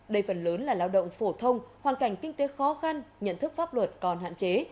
đây phần lớn là lao động phổ thông hoàn cảnh kinh tế khó khăn nhận thức pháp luật còn hạn chế